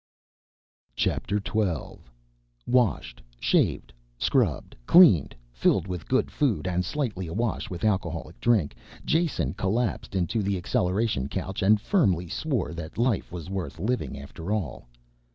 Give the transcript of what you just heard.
XII Washed, shaved, scrubbed, cleaned, filled with good food and slightly awash with alcoholic drink, Jason collapsed into the acceleration couch and firmly swore that life was worth living after all.